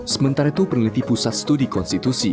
sementara itu peneliti pusat studi konstitusi